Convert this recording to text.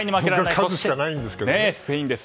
勝つしかないんですけどね。